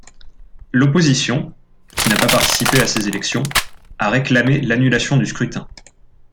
L'opposition, qui n'a pas participé à ces élections, a réclame l'annulation du scrutin.